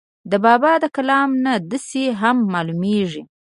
د بابا دَکلام نه داسې هم معلوميږي